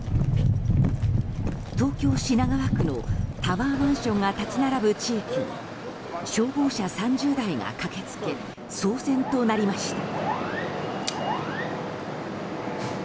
東京・品川区のタワーマンションが立ち並ぶ地域に消防車３０台が駆けつけ騒然となりました。